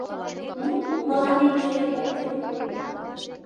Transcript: — Ну, мыланемже ок кӱл.